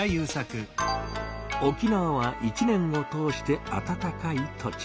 沖縄は一年を通してあたたかい土地。